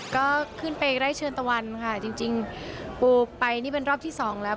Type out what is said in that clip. ก็ขึ้นไปไร่เชิญตะวันค่ะจริงปูไปนี่เป็นรอบที่สองแล้ว